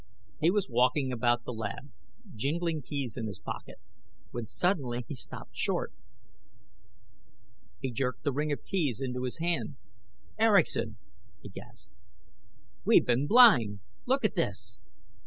He was walking about the lab, jingling keys in his pocket, when suddenly he stopped short. He jerked the ring of keys into his hand. "Erickson!" he gasped. "We've been blind. Look at this!"